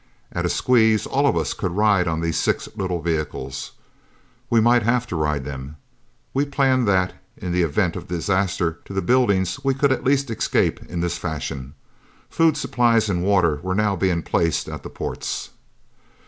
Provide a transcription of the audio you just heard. At a squeeze, all of us could ride on these six little vehicles. We might have to ride them! We planned that, in event of disaster to the buildings, we could at least escape in this fashion. Food supplies and water were now being placed at the ports.